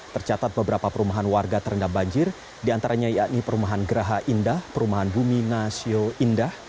tercatat beberapa perumahan warga terendam banjir diantaranya yakni perumahan geraha indah perumahan bumi nasio indah